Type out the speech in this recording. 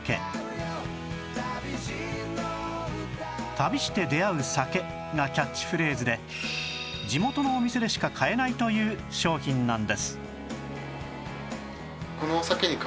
「旅して出会う酒」がキャッチフレーズで地元のお店でしか買えないという商品なんです